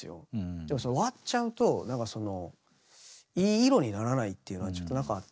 でも割っちゃうとなんかそのいい色にならないっていうのはちょっとなんかあって。